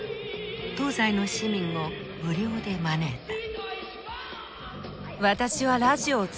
東西の市民を無料で招いた。